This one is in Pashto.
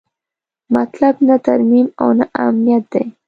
مطلب نه ترمیم او نه امنیت دی.